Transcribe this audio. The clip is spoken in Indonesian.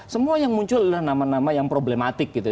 semua yang muncul adalah nama nama yang problematik gitu